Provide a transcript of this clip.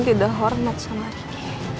tidak hormat sama riki